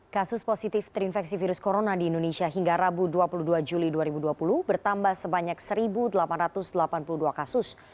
kasus positif terinfeksi virus corona di indonesia hingga rabu dua puluh dua juli dua ribu dua puluh bertambah sebanyak satu delapan ratus delapan puluh dua kasus